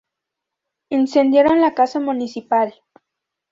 Incendiaron la casa municipal.